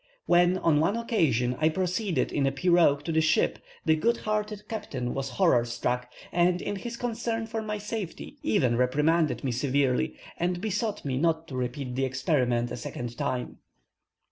When, on one occasion, I proceeded in a piroque to the ship, the good hearted captain was horror struck, and, in his concern for my safety, even reprimanded me severely, and besought me not to repeat the experiment a second time.